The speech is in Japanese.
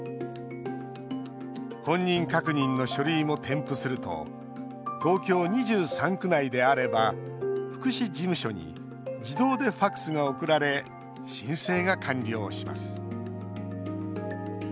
本人確認の書類も添付すると東京２３区内であれば福祉事務所に自動でＦＡＸが送られ申請が完了します。